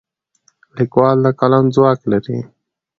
لیکوال د قلم ځواک لري.